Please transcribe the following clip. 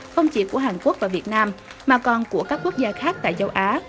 không chỉ của hàn quốc và việt nam mà còn của các quốc gia khác tại châu á